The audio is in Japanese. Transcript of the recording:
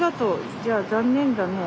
じゃあ残念だねえ。